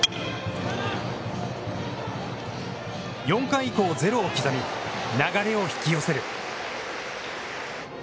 ４回以降ゼロを刻み流れを引き寄せる。